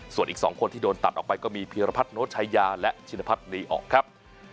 ส่วนอีก๒คนที่โดนตัดออกไปก็มีพรพรณโชชายาและชินพรรณ์นีออกครับ